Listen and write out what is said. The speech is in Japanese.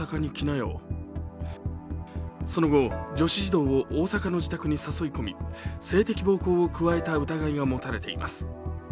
その後、女子児童を大阪の自宅に誘い込み性的暴行を加えた疑いが持たれています。